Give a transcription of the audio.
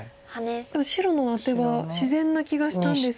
白のアテは自然な気がしたんですが。